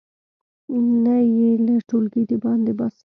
نه یې له ټولګي د باندې باسم.